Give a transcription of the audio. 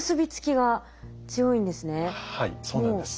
はいそうなんです。